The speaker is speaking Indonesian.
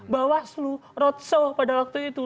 bawaslu roadshow pada waktu itu